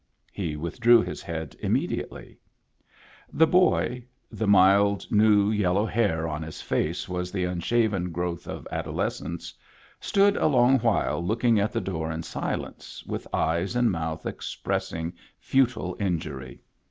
He withdrew his head immediately. The boy — the mild, new yellow hair on his face was the unshaven growth of adolescence — stood a long while looking at the door in silence, with eyes and mouth expressing futile injury.